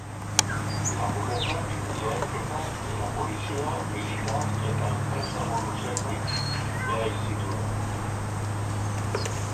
Lapurretak, leherketak eta polizia, militar eta enpresaburu zenbait erail zituen.